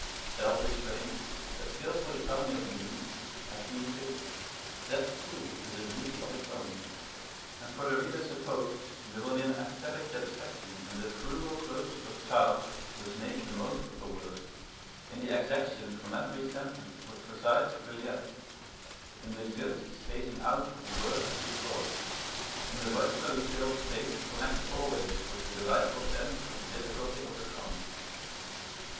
Self restraint, a skilful economy of means, ascêsis, that too has a beauty of its own; and for the reader supposed there will be an aesthetic satisfaction in that frugal closeness of style which makes the most of a word, in the exaction from every sentence of a precise relief, in the just spacing out of word to thought, in the logically filled space connected always with the delightful sense of difficulty overcome.